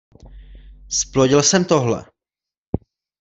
Zplodil jsem tohle